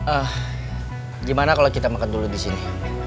ah gimana kalo kita makan dulu disini